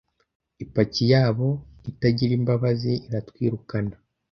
ipaki yabo itagira imbabazi iratwirukana